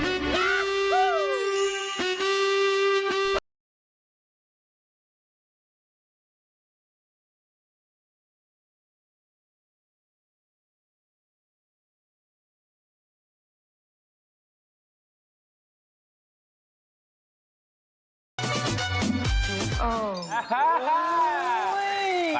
มีความรู้ใจสิ้นไหม